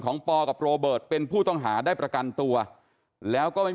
ปอกับโรเบิร์ตเป็นผู้ต้องหาได้ประกันตัวแล้วก็ไม่